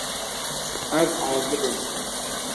Ez azib im.